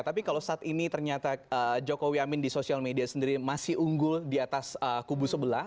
tapi kalau saat ini ternyata jokowi amin di sosial media sendiri masih unggul di atas kubu sebelah